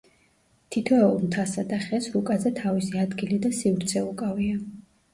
თითოეულ მთასა და ხეს რუკაზე თავისი ადგილი და სივრცე უკავია.